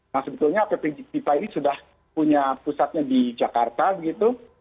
nah sebetulnya app bipa ini sudah punya pusatnya di jakarta begitu